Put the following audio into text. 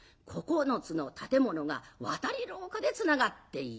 ９つの建物が渡り廊下でつながっている。